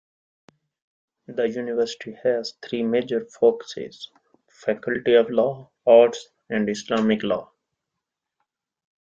The university has three major focuses: Faculty of Law, Arts, and Islamic Law.